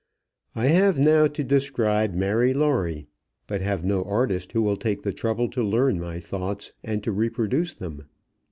I have now to describe Mary Lawrie, but have no artist who will take the trouble to learn my thoughts and to reproduce them.